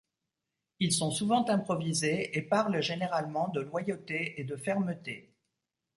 Ils sont souvent improvisés, et parlent généralement de loyauté et de fermeté.